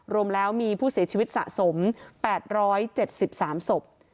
รวมแล้วมีผู้เสียชีวิตสะสม๘๗๓ศพ